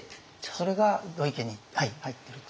それが土井家に入ってるという。